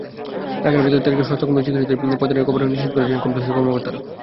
ঢাকার ভেতরে তেজগাঁও স্বাস্থ্য কমপ্লেক্সে চিকিৎসকদের পদায়নের খবর নিশ্চিত করেছেন কমপ্লেক্সের কর্মকর্তারা।